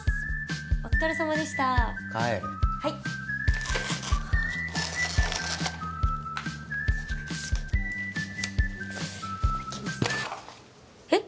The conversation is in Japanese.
お疲れさまでした帰れはいいただきますえっ？